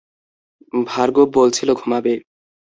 ভার্গব বলছিল ঘুমাবে।